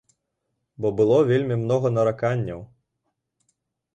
Бо было вельмі многа нараканняў.